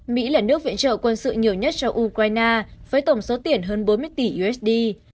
mỹ là nước viện trợ quân sự nhiều nhất cho ukraine với tổng số tiền hơn bốn mươi tỷ usd